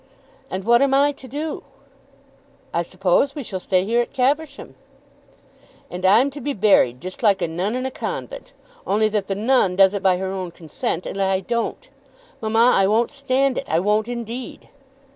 "And what am I to do?" "I suppose we shall stay here at Caversham." "And I'm to be buried just like a nun in a convent, only that the nun does it by her own consent and I don't! Mamma, I won't stand it. I won't indeed."